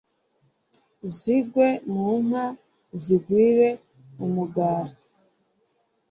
Zigwe mu nka zigwire umugara